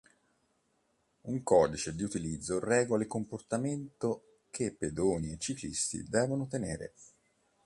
Un codice di utilizzo regola il comportamento che pedoni e ciclisti devono tenere.